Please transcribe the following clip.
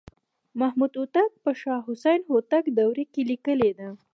محمدهوتک په شاه حسین هوتک دوره کې لیکلې ده.